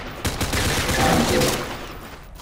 A szánkóm!